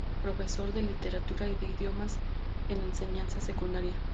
Profesor de Literatura y de Idiomas en enseñanza secundaria.